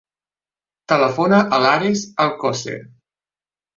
Telefona a l'Ares Alcocer.